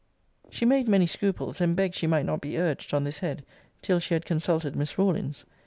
She made many scruples, and begged she might not be urged, on this head, till she had consulted Miss Rawlins.